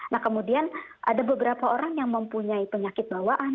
nah kemudian ada beberapa orang yang mempunyai penyakit bawaan